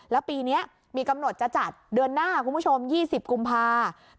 และปีเนี้ยมีกำหนดจะจัดเดือนหน้าคุณผู้ชมยี่สิบกุมภาพ